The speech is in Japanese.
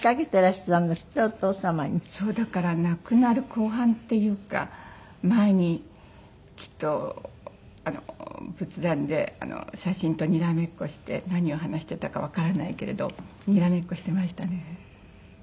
だから亡くなる後半っていうか前にきっと仏壇で写真とにらめっこして何を話してたかわからないけれどにらめっこしてましたね。